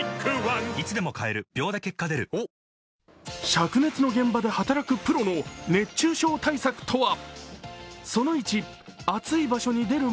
しゃく熱の現場で働くプロの熱中症対策とは？